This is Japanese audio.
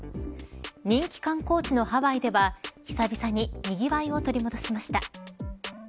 人気観光地のハワイでは久々ににぎわいを取り戻しました。